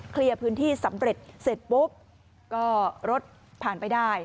เคลียร์พื้นที่สำเร็จเสร็จปุ๊บก็รถผ่านไปได้